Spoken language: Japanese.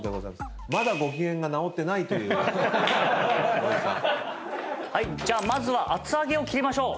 じゃあまずは厚揚げを切りましょう。